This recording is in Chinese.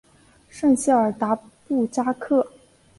圣谢尔达布扎克。